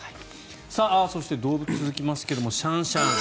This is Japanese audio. そして、動物続きますがシャンシャン。